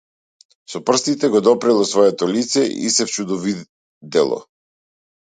Со прстите го допрело своето лице и се вчудовидело.